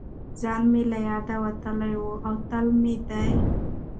ځان مې له یاده وتلی و او تل مې دې